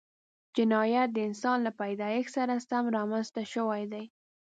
جنایت د انسان له پیدایښت سره سم رامنځته شوی دی